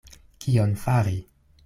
Kion fari?